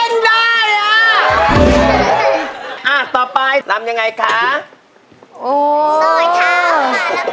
ทรีปถึง